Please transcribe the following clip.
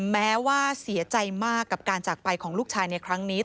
แม้ว่าเสียใจมากกับการจากไปของลูกชายในครั้งนี้